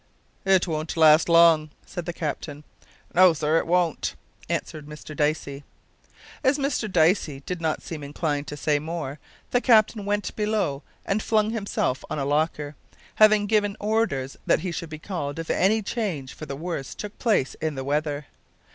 "It won't last long," said the captain. "No, sir; it won't," answered Mr Dicey. As Mr Dicey did not seem inclined to say more, the captain went below and flung himself on a locker, having given orders that he should be called if any change for the worse took place in the weather.